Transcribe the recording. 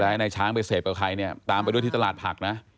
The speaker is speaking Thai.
ให้นายช้างไปเสพกับใครเนี่ยตามไปด้วยที่ตลาดผักนะ